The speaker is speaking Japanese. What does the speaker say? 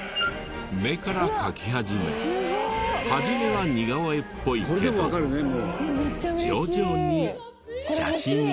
目から描き始め初めは似顔絵っぽいけど徐々に写真のような仕上がりに。